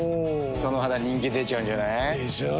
その肌人気出ちゃうんじゃない？でしょう。